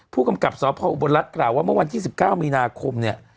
ผู้กำกับสวพอบรรณรัฐกล่าวว่าเมื่อวันยี่สิบเก้ามีนาคมเนี่ย